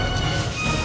jangan kawal pak ramah